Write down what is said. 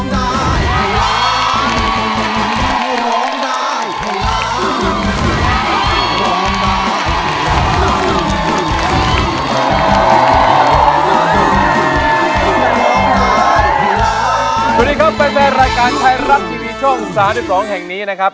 สวัสดีครับแฟนรายการไทยรัฐทีวีช่อง๓๒แห่งนี้นะครับ